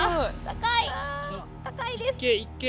高いです。